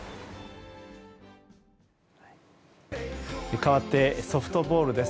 かわってソフトボールです。